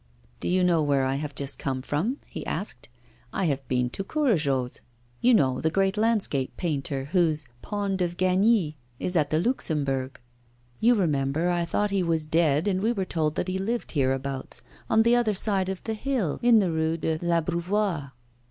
'Do you know where I have just come from?' he asked. 'I have been to Courajod's. You know, the great landscape painter, whose "Pond of Gagny" is at the Luxembourg. You remember, I thought he was dead, and we were told that he lived hereabouts, on the other side of the hill, in the Rue de l'Abreuvoir.